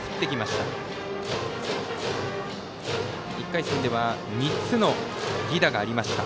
１回戦では３つの犠打がありました。